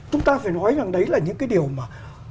chúng ta phải nói rằng đấy là những cái điều mà